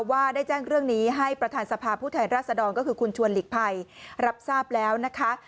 ว่าได้แจ้งเรื่องนี้ให้ประธานสภาพผู้แทนรัศดรก็คือคุณชวนหลีกภัยรับทราบแล้วนะคะ